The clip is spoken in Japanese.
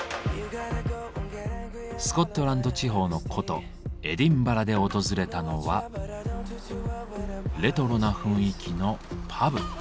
スコットランド地方の古都エディンバラで訪れたのはレトロな雰囲気のパブ。